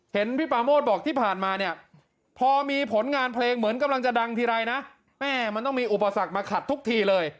เห็นพี่ประโมทบอกที่ผ่านมาพอมีผลงานเพลงหมื่นกำลังจะดังเทียวรายมันต้องมีอุปสรรคกับทุกทีเลย